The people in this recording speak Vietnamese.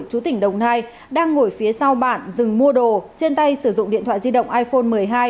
chú tỉnh đồng nai đang ngồi phía sau bạn dừng mua đồ trên tay sử dụng điện thoại di động iphone một mươi hai